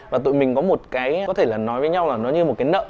và tụi mình có một cái có thể là nói với nhau là nó như một cái nợ